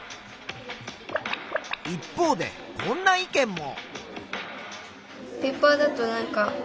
一方でこんな意見も。